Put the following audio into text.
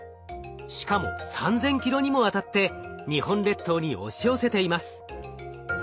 しかも３，０００ｋｍにもわたって日本列島に押し寄せています。